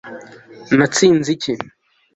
natsinze iki